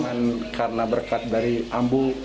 dan karena berkat dari ambu